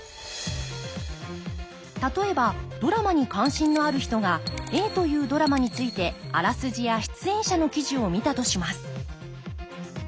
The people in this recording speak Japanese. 例えばドラマに関心のある人がＡというドラマについてあらすじや出演者の記事を見たとします。